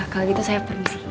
kalau gitu saya permisi